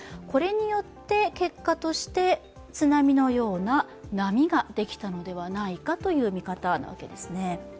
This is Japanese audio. これによって結果として、津波のような波ができたのではないかという見方なわけですね。